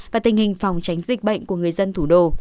và tình hình phòng tránh dịch bệnh của người dân thủ đô